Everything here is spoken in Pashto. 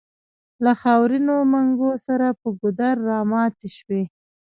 له خاورينو منګو سره پر ګودر راماتې شوې.